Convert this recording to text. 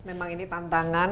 memang ini tantangan